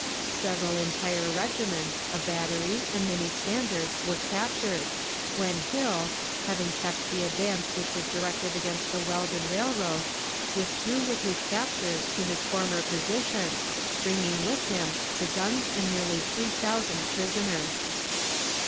Several entire regiments, a battery, and many standards were captured, when Hill, having checked the advance which was directed against the Weldon Railroad, withdrew with his captures to his former position, bringing with him the guns and nearly three thousand prisoners.